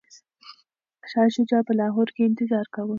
شاه شجاع په لاهور کي انتظار کاوه.